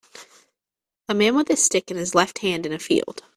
A man with a stick in his left hand in a field